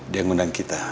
dia yang undang kita